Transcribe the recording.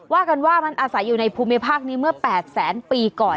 ว่ากันว่ามันอาศัยอยู่ในภูมิภาคนี้เมื่อ๘แสนปีก่อน